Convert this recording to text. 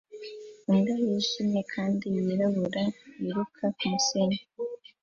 Imbwa yijimye kandi yirabura yiruka kumusenyi